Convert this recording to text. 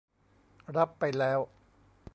รับไปแล้ว